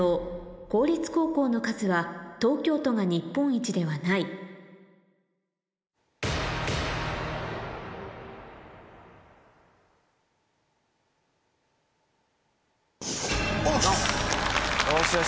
「公立高校の数」は東京都が日本一ではないおし！